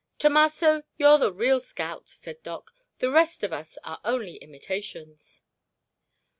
"Tomasso, you're the real scout," said Doc. "The rest of us are only imitations."